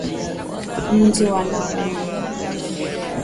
Nzi wanaouma